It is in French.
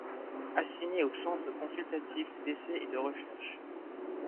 Assigné au Centre Consultatif d’Essais et de Recherches.